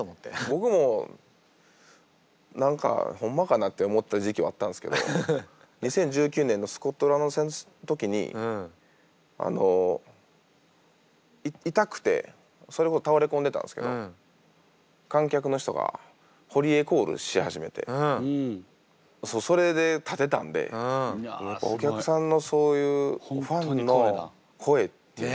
僕も何かほんまかなって思ってた時期はあったんすけど２０１９年のスコットランド戦の時に痛くてそれこそ倒れ込んでたんすけど観客の人が堀江コールし始めてそれで立てたんでお客さんのそういうファンの声っていうのは響くんやって。